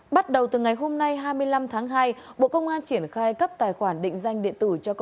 bắt đầu từ ngày hôm nay hai mươi năm tháng hai bộ công an triển khai cấp tài khoản định danh điện tử